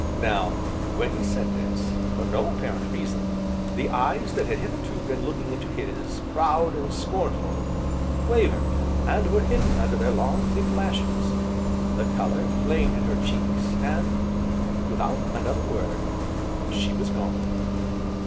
Now, when he said this, for no apparent reason, the eyes that had hitherto been looking into his, proud and scornful, wavered, and were hidden under their long, thick lashes; the colour flamed in her cheeks, and, without another word, she was gone.